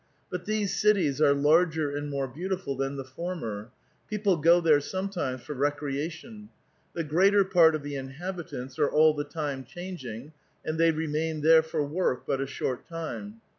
But these cities are larger and more beautiful than the former ; people go there sometimes for recreation ; the greater part of the in habitants are all the time changing, and they remain there for work but a short time."